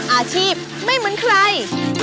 อาชีพไม่เหมือนใคร